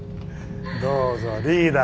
どうぞリーダー。